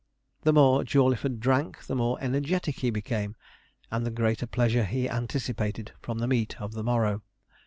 The more Jawleyford drank, the more energetic he became, and the greater pleasure he anticipated from the meet of the morrow.